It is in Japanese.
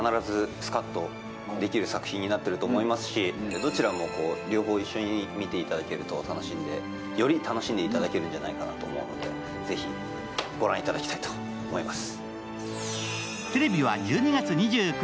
どちらも両方一緒に見ていただくと楽しいんでより楽しんでいただけるんではないかと思うのでぜひ見ていただければと思います。